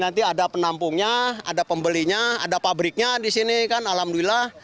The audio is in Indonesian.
jadi ada penampungnya ada pembelinya ada pabriknya di sini kan alhamdulillah